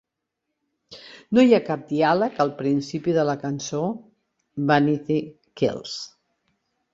No hi ha cap diàleg al principi de la cançó "Vanity Kills".